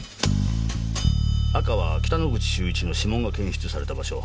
赤は北之口秀一の指紋が検出された場所。